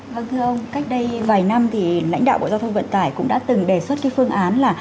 vâng thưa ông cách đây vài năm thì lãnh đạo bộ giao thông vận tải cũng đã từng đề xuất cái phương án là